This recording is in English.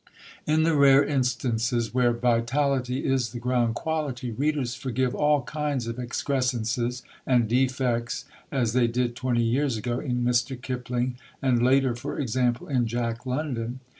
In the rare instances where vitality is the ground quality, readers forgive all kinds of excrescences and defects, as they did twenty years ago in Mr. Kipling, and later, for example, in Jack London.